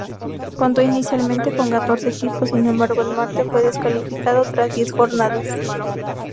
Contó inicialmente con catorce equipos, sin embargo el Marte fue descalificado tras diez jornadas.